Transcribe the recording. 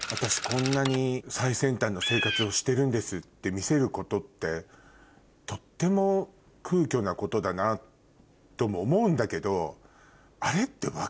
こんなに最先端の生活をしてるんですって見せることってとっても空虚なことだなとも思うんだけどあれって。